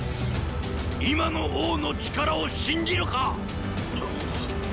今の王の力を信じるか⁉！